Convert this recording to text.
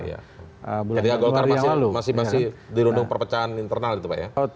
ketika golkar masih dirundung perpecahan internal itu pak ya